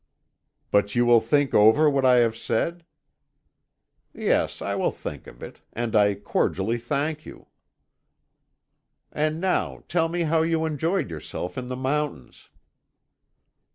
"But you will think over what I have said?" "Yes, I will think of it, and I cordially thank you." "And now tell me how you enjoyed yourself in the mountains."